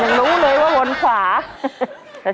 ตัวเลือกที่สองวนทางซ้าย